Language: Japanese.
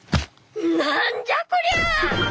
何じゃこりゃ！